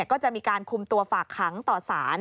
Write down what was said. ก็จะมีการคุมตัวฝากขังต่อสาร